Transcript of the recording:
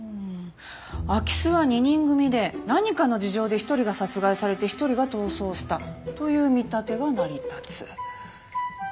空き巣は二人組で何かの事情で一人が殺害されて一人が逃走したという見立てが成り立つ。